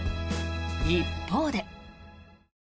一方で。